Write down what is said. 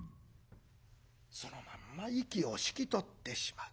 そのまんま息を引き取ってしまう。